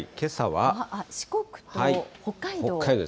四国と北海道。